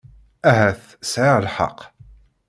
Ahat sɛiɣ lḥeqq.